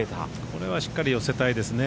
これはしっかり寄せたいですね。